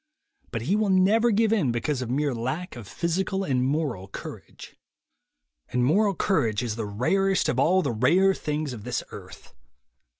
But he will never give in because of mere lack of physical and moral courage. And moral courage is the rarest of all the rare things of this earth.